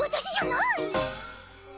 私じゃない。